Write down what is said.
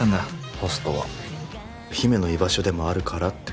ホストは姫の居場所でもあるからって。